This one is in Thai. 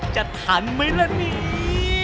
จะทันมั้ยละเนี่ย